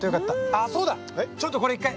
あそうだ！ちょっとこれ一回。